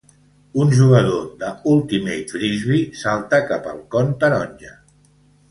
Un jugador de Ultimate Frisbee salta cap al con taronja.